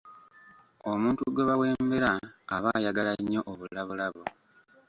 Omuntu gwe bawembera aba ayagala nnyo obulabolabo.